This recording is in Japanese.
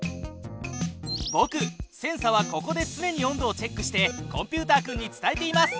ぼくセンサはここでつねに温度をチェックしてコンピュータ君に伝えています。